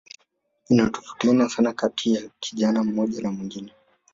Vinatofautiana sana kati ya kijana mmoja na mwingine